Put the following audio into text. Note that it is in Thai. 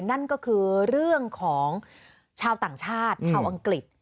นั่นก็คือเรื่องของชาวต่างชาติชาวอังกฤษ